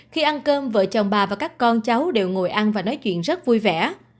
khi ăn cơm vợ chồng bà và các con cháu đều ngồi ăn và nói chuyện rất vui vẻ